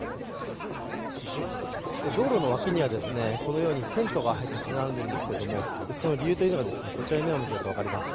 道路の脇にはこのようにテントが立ち並んでいるんですけどその理由というのが、こちらに目を向けると分かります。